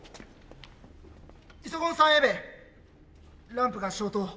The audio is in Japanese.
イソコン３Ａ弁ランプが消灯。